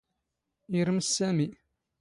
ⵉⵔⵎⵙ ⵙⴰⵎⵉ.